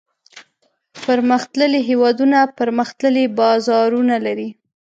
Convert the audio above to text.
پرمختللي هېوادونه پرمختللي بازارونه لري.